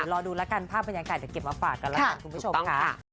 รอดูแล้วกันภาพบรรยากาศเดี๋ยวเก็บมาฝากกันแล้วกันคุณผู้ชมค่ะ